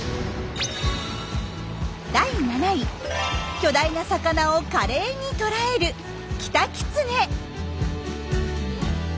第７位巨大な魚を華麗に捕らえるキタキツネ。